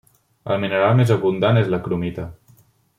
El mineral més abundant és la cromita.